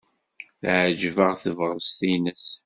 Teɛjeb-aɣ tebɣest-nnes.